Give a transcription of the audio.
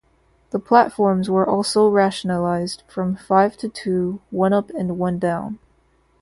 The platforms were also rationalised, from five to two, one up and one down.